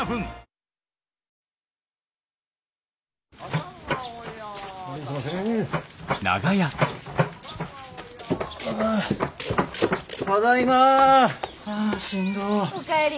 お帰り。